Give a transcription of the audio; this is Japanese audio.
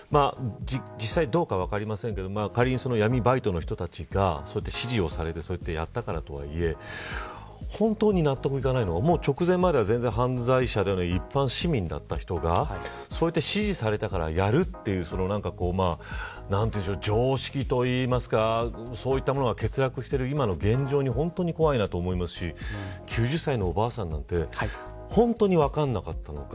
実際、どうか分かりませんけど仮に闇バイトの人たちが指示をされてそうやってやったからとはいえ本当に納得いかないのは直前までは犯罪者ではない一般市民だった人がそうやって指示されたからやるという常識といいますかそういったものが欠落されている今の現状が怖いと思いますし９０歳のおばあさんなんて本当に分からなかったのか。